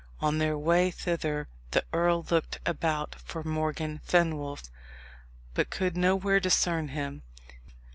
On their way thither the earl looked about for Morgan Fenwolf, but could nowhere discern him.